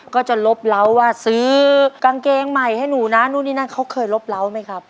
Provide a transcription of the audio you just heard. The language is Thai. ก็จะลบเล้าว่าซื้อกางเกงใหม่ให้หนูนะนู่นนี่นั่นเขาเคยลบเล้าไหมครับ